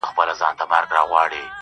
يوه ورځ چي گيند را خوشي سو ميدان ته!.